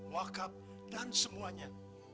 wakaf dan semuanya